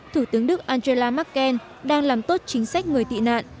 thủ tướng đức angela merkel đang làm tốt chính sách người tị nạn